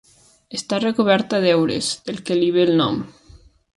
Està recoberta d'heures, del que li ve el nom.